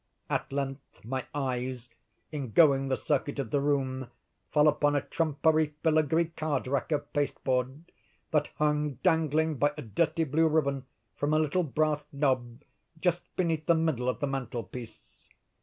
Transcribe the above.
"At length my eyes, in going the circuit of the room, fell upon a trumpery fillagree card rack of pasteboard, that hung dangling by a dirty blue ribbon, from a little brass knob just beneath the middle of the mantel piece.